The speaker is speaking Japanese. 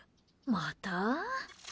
また？